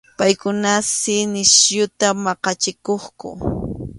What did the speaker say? Paykuna si nisyuta maqachikuqku.